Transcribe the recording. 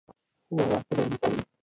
واو ته بې مثاله يې.